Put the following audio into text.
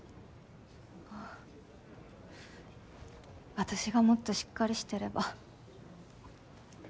私がもっとしっかりしてれば。